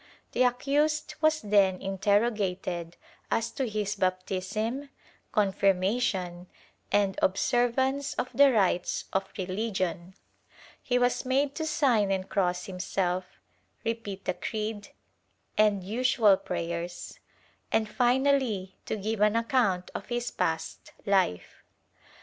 ^ The accused was then interrogated as to his baptism, confirmation and observance of the rites of religion; he was made to sign and cross himself, repeat the creed and usual prayers, and finally to give an account of his past life.